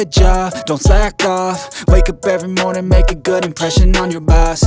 terima kasih ibu